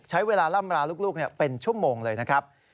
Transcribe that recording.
ใช้เวลาล่ำราลูกเป็นชั่วโมงเลยนะครับ